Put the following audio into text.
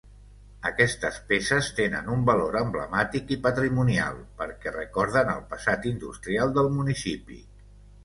Aquestes peces tenen un valor emblemàtic i patrimonial perquè recorden el passat industrial del municipi.